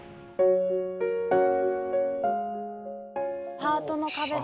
ハートの壁だ。